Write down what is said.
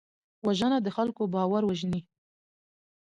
وژنه د خلکو باور وژني